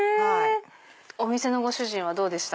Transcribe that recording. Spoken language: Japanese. お店のご主人はどうでした？